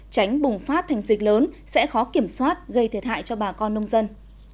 tránh bùng phát thành dịch lớn sẽ khó kiểm soát gây thiệt hại cho bà con nông dân